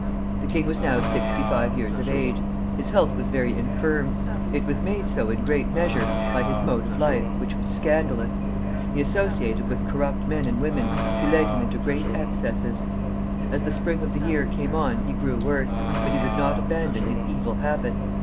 The king was now sixty five years of age. His health was very infirm. It was made so, in great measure, by his mode of life, which was scandalous. He associated with corrupt men and women, who led him into great excesses. As the spring of the year came on he grew worse, but he would not abandon his evil habits.